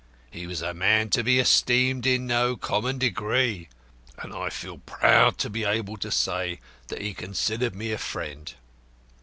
He was a man to be esteemed in no common degree, and I feel proud to be able to say that he considered me a friend.